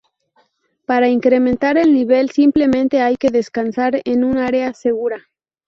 Para incrementar el nivel simplemente hay que descansar en un área segura.